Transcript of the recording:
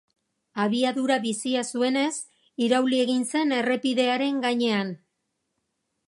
Abiadura bizia zuenez, irauli egin zen errepidearen gainean.